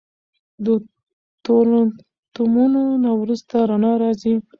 د تورتمونو نه وروسته رڼا راځي.